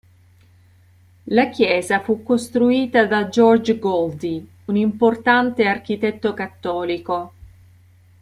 La chiesa fu costruita da George Goldie, un importante architetto cattolico.